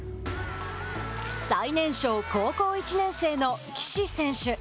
最年少、高校１年生の岸選手。